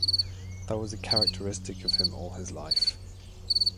That was characteristic of him all his life.